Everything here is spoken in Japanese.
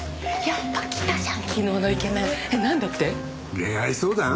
恋愛相談？